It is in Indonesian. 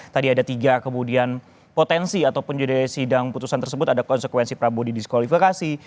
tadi ada tiga kemudian potensi ataupun juga sidang putusan tersebut ada konsekuensi prabowo didiskualifikasi